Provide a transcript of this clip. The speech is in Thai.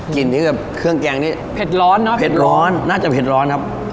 กินที่แบบเครื่องแกงนี้เผ็ดร้อนเนอะเผ็ดร้อนน่าจะเผ็ดร้อนครับ